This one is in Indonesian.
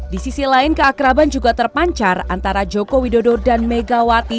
di sisi lain keakraban juga terpancar antara joko widodo dan megawati